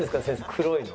黒いの。